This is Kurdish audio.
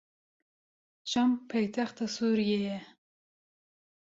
Şam paytexta Sûriyê ye.